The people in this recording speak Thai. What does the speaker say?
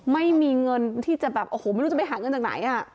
ไม่มีเงินที่จะแบบโอ้โหไม่รู้จะไปหาเงินจากไหน